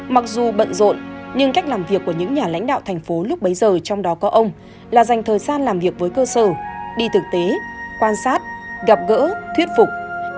mặc dù bận rộn nhưng cách làm việc của những nhà lãnh đạo thành phố lúc bấy giờ trong đó có ông là dành thời gian làm việc với cơ sở đi thực tế quan sát gặp gỡ thuyết phục